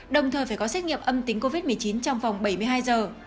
đồng thời phải có xét nghiệm âm tính covid một mươi chín trong vòng bảy mươi hai giờ